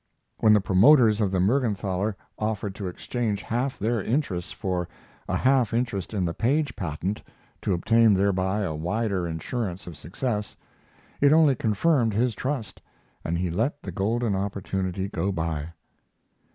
When the promoters of the Mergenthaler offered to exchange half their interests for a half interest in the Paige patent, to obtain thereby a wider insurance of success, it only confirmed his trust, and he let the golden opportunity go by.